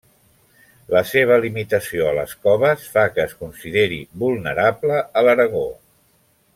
La seva limitació a les coves fa que es consideri vulnerable a l'Aragó.